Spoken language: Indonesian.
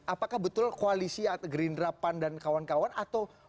apakah betul koalisi atau gerindera pandan kawan kawan atau